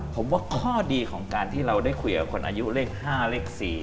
ผมว่าข้อดีของการที่เราได้คุยกับคนอายุเลข๕เลข๔